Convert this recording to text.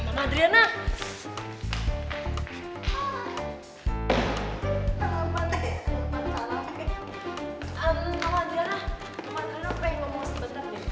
mama adriana mau ngomong sebentar ya